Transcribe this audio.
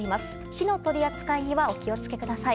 火の取り扱いにはお気を付けください。